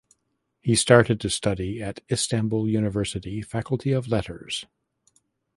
He started to study at Istanbul University Faculty of Letters.